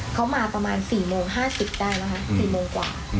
เขามาประมาณ๔โมง๕๐ได้นะคะ๔โมงกว่า